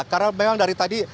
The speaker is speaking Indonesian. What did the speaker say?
karena memang dari tadi